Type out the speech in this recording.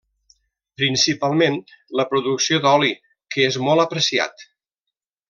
Principalment la producció d'oli, que és molt apreciat.